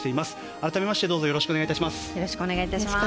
改めましてよろしくお願いいたします。